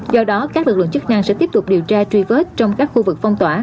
do đó các lực lượng chức năng sẽ tiếp tục điều tra truy vết trong các khu vực phong tỏa